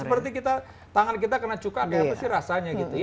seperti kita tangan kita kena cukak ya pasti rasanya gitu